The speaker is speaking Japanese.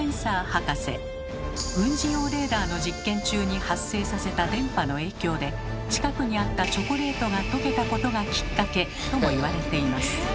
軍事用レーダーの実験中に発生させた電波の影響で近くにあったチョコレートがとけたことがきっかけとも言われています。